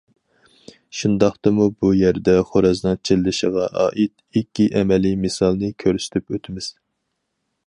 شۇنداقتىمۇ، بۇ يەردە خورازنىڭ چىللىشىغا ئائىت ئىككى ئەمەلىي مىسالنى كۆرسىتىپ ئۆتىمىز.